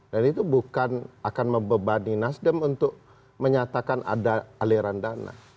dan itu bukan akan membebani nasdem untuk menyatakan ada aliran dana